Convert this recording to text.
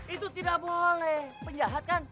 itu tidak boleh penjahat kan